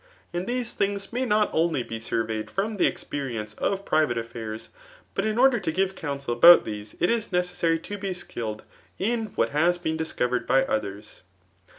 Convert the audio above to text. And theso diings may not only be surreyed from the experience ol pmate affiurs ; but in order to give counsel about tbese^ it is necessary to be iski^kd in what has been discovered by others.